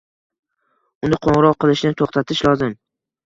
Unda qo‘ng‘iroq qilishni to‘xtatish lozim.